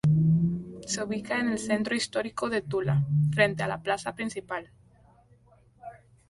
Se ubica en el centro histórico de Tula, frente a la plaza principal.